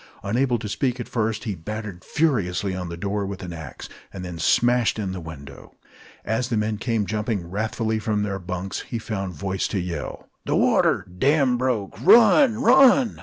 Unable to speak at first, he battered furiously on the door with an axe, and then smashed in the window. As the men came jumping wrathfully from their bunks, he found voice to yell: "The water! Dam broke! Run! Run!"